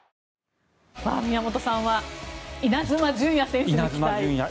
宮本さんはイナズマ純也選手に期待。